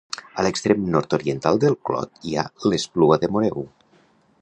A l'extrem nord-oriental del Clot hi ha l'Espluga de Moreu.